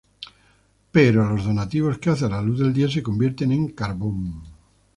Pero los donativos que hace a la luz del día se convierten en carbón".